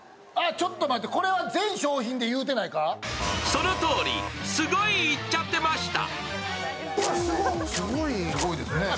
そのとおり、すごい言っちゃってました。